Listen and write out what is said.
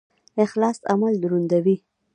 اخلاص عمل دروندوي